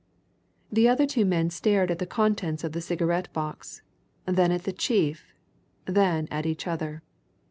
The other two men stared at the contents of the cigar box, then at the chief, then at each other.